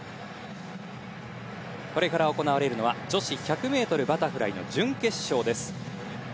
これから行われるのは女子１００ｍバタフライの準決勝です。